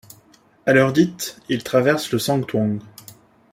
À l'heure dite, il traverse le Song thuong.